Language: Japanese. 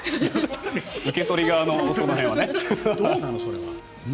受け取り側のその辺は。